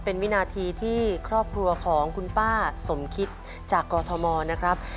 เป็นวินาทีที่ครอบครัวของคุณป้าสมคิดจากกอทมนะครับ